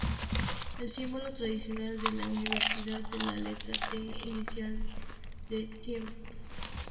El símbolo tradicional de la Universidad es la letra "T", inicial de "Temple".